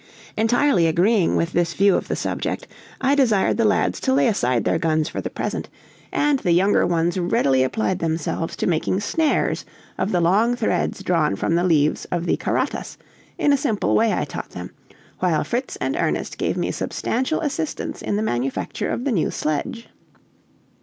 Entirely agreeing with this view of the subject, I desired the lads to lay aside their guns for the present, and the younger ones readily applied themselves to making snares of the long threads drawn from the leaves of the karatas, in a simple way I taught them, while Fritz and Ernest gave me substantial assistance in the manufacture of the new sledge.